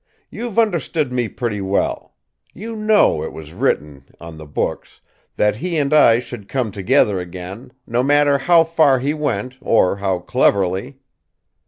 You've understood me pretty well. You know it was written, on the books, that he and I should come together again no matter how far he went, or how cleverly!